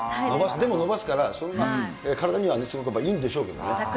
でも伸ばすから、体にはすごくいいんでしょうけどね。